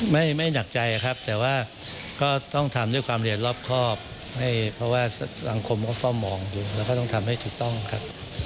ไม่ไม่หนักใจครับแต่ว่าก็ต้องทำด้วยความเรียนรอบครอบเพราะว่าสังคมก็เฝ้ามองอยู่แล้วก็ต้องทำให้ถูกต้องครับ